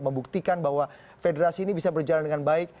membuktikan bahwa federasi ini bisa berjalan dengan baik